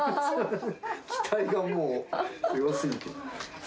期待がもうすごすぎて。